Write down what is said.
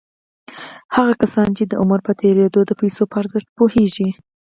هغه کسان چې د عمر په تېرېدو د پيسو په ارزښت پوهېږي.